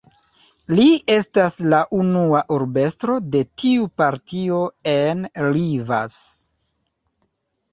Li estas la unua urbestro de tiu partio en Rivas.